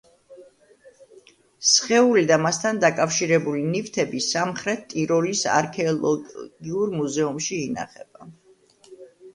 სხეული და მასთან დაკავშირებული ნივთები სამხრეთ ტიროლის არქეოლოგიურ მუზეუმში ინახება.